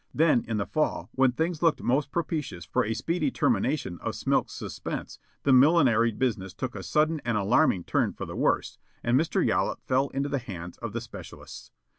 Then, in the fall, when things looked most propitious for a speedy termination of Smilk's suspense, the millinery business took a sudden and alarming turn for the worse and Mr. Yollop fell into the hands of the specialists.